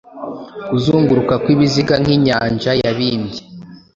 kuzunguruka kw'ibiziga Nk’inyanja yabyimbye,